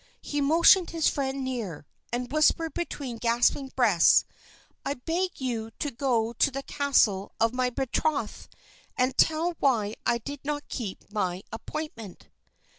He motioned his friend near, and whispered between gasping breaths, "I beg you to go to the castle of my betrothed and tell why I did not keep my appointment."